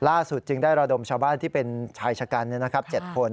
ล่าสุดจึงได้ราดมชาวบ้านที่เป็นชายชะกันนะครับ๗คน